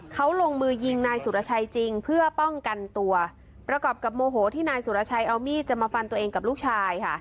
เขาลงมือยิงนายสุรชัยจริงเพื่อป้องกันตัวประกอบกับโมโหที่นายสุรชัยเอามีดจะมาฟันตัวเองกับลูกชายค่ะ